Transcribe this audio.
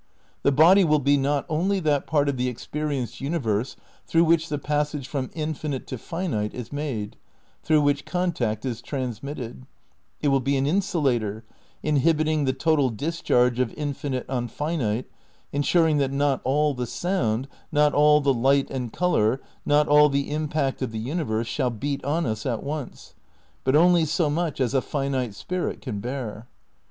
The body wiU be, not only that part of the experienced universe through which the pas sage from infinite to finite is made, through which con tact is transmitted; it will be an insulator, inhibiting the total discharge of infinite on finite, ensuring that not all the sound, not all the light and colour, not all the impact of the universe shall beat on us at once, but only so much as a finite spirit can bear.